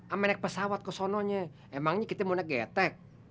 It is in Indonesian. sama naik pesawat ke sononya emangnya kita mau naik getek